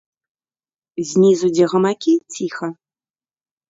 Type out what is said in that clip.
Знізу, дзе гамакі, ціха.